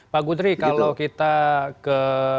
pak gudri kalau kita ke